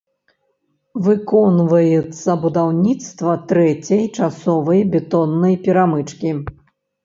Выконваецца будаўніцтва трэцяй часовай бетоннай перамычкі.